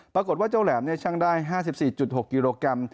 ปรากฏว่าเจ้าแหลมชั่งได้๕๔๖กิโลกรัม